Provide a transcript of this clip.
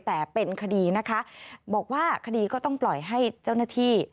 แต่เป็นคดีนะคะบอกว่าคดีก็ต้องปล่อยให้เจ้าหน้าที่